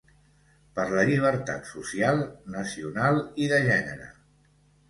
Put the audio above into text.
Per la llibertat social, nacional i de gènere.